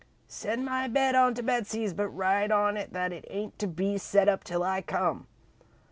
Send my bed on to Betsey's but write on it that it ain't to be set up till I come.